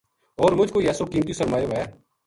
ہور مُچ کوئی ایسو قیمتی سرمایو وھے